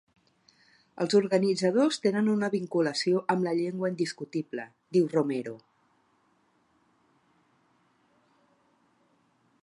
Els organitzadors tenen una vinculació amb la llengua indiscutible –diu Romero–.